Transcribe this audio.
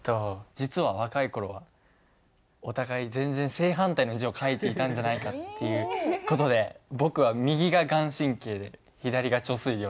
実は若い頃はお互い全然正反対の字を書いていたんじゃないかっていう事で僕は右が顔真で左が遂良だと思います。